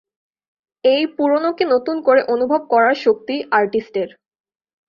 এই পুরোনোকে নতুন করে অনুভব করার শক্তি আর্টিস্টের।